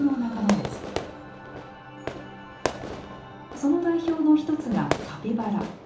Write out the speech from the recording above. その代表の一つがカピバラ。